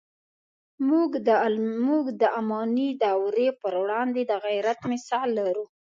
موږ د اماني دورې پر وړاندې د غیرت مثال لرو.